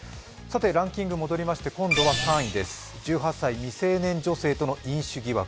ランキング戻りまして今度は３位です１８歳未成年女性との飲酒疑惑。